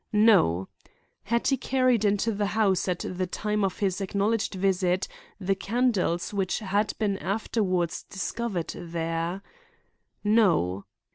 No. Had he carried into the house, at the time of his acknowledged visit, the candles which had been afterward discovered there? No.